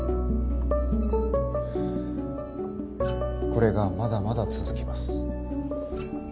これがまだまだ続きます。